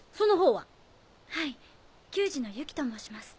はい給仕のユキと申します。